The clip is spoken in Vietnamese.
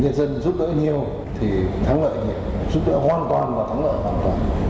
nhân dân giúp đỡ nhiều thì thắng lợi này giúp đỡ hoàn toàn và thắng lợi hoàn toàn